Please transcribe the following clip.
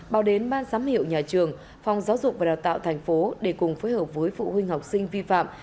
báo đến ban giám hiệu nhà trường phòng giáo dục và đào tạo thành phố để cùng phối hợp với phụ huynh học sinh vi phạm